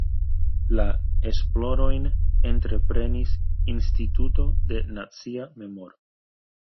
La esplorojn entreprenis Instituto de Nacia Memoro.